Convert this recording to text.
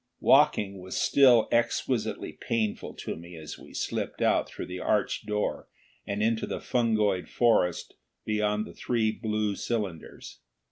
Walking was still exquisitely painful to me as we slipped out through the arched door and into the fungoid forest beyond the three blue cylinders.